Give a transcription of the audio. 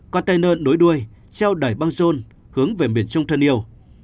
con tay nơi nối đuôi treo đẩy băng rôn hướng về miền trung thân yêu